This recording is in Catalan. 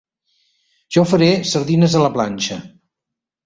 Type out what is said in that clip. Jo faré sardines a la planxa.